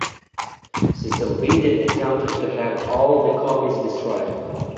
Cecil Beaton attempted to have all the copies destroyed.